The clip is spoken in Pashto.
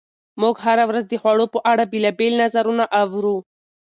موږ هره ورځ د خوړو په اړه بېلابېل نظرونه اورو.